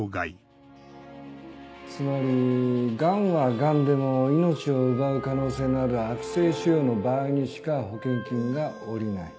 つまり癌は癌でも命を奪う可能性のある悪性腫瘍の場合にしか保険金が下りない。